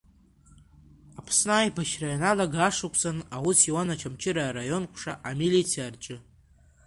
Аԥсны аибашьра ианалага ашықәсан аус иуан Очамчыра араион ҟәша амилициарҿы.